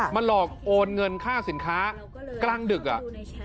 หลอกโอนเงินค่าสินค้ากลางดึกอ่ะ